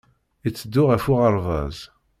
Iteddu ɣer uɣerbaz.